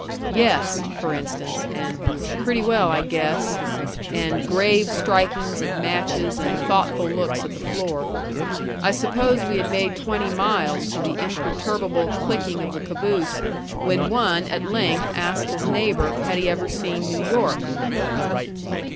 "Yes," for instance, and "Pretty well, I guess," and grave strikings of matches and thoughtful looks at the floor. I suppose we had made twenty miles to the imperturbable clicking of the caboose when one at length asked his neighbor had he ever seen New York.